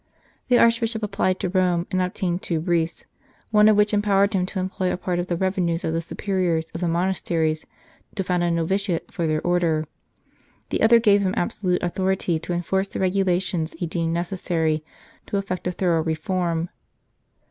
The Archbishop applied to Rome, and obtained two briefs, one of which empowered him to employ a part of the revenues of the Superiors of the monasteries to found a novitiate for their Order. The other gave him absolute authority to enforce the regulations he deemed necessary to effect a thorough reform.